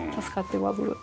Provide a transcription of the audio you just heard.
助かってます。